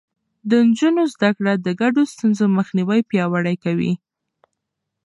د نجونو زده کړه د ګډو ستونزو مخنيوی پياوړی کوي.